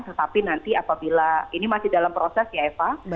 tetapi nanti apabila ini masih dalam proses ya eva